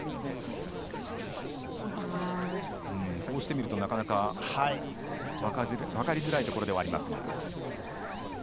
こうして見るとなかなか分かりづらいところではありますが。